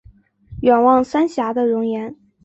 远望三峡的容颜